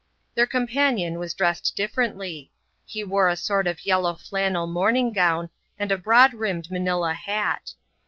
Their companion was dressed differently. He wore a sort rf yellow flannel morning gown, and a broad brimmed Manilla hat.